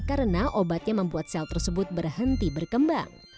karena obatnya membuat sel tersebut berhenti berkembang